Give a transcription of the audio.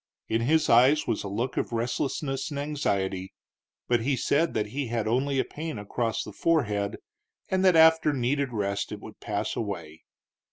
In his eyes was a look of restlessness and anxiety, but he said that he had only a pain across the forehead, and that after needed rest it would pass away.